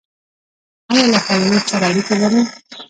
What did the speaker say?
ایا له حیواناتو سره اړیکه لرئ؟